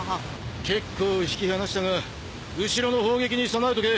結構引き離したが後ろの砲撃に備えとけ。